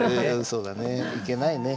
そうだねいけないね。